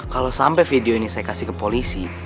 kalau sampai video ini saya kasih ke polisi